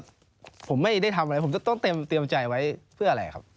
ผมไม่ได้ทำอะไรผมจะต้องเตรียมใจไว้เพื่ออะไรครับ